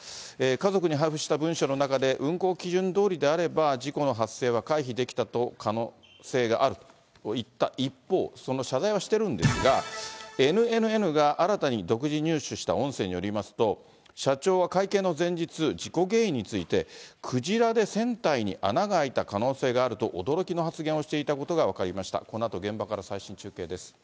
家族に配布した文書の中で、運航基準どおりであれば、事故の発生は回避できた可能性があると言った一方、その謝罪はしてるんですが、ＮＮＮが新たに独自入手した音声によりますと、社長は会見の前日、事故原因について、クジラで船体に穴が開いた可能性があると、驚きの発言をしていたことが分かりました。